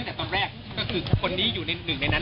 เอาเท่านี้ก่อนนะครับ